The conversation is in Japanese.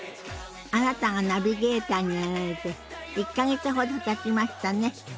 あなたがナビゲーターになられて１か月ほどたちましたね。